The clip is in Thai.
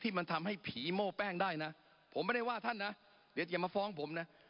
มันทำให้ผีโม่แป้งได้นะผมไม่ได้ว่าท่านนะเดี๋ยวจะมาฟ้องผมนะ